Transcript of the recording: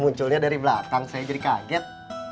munculnya dari belakang saya jadi kaget